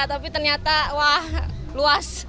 tapi ternyata wah luas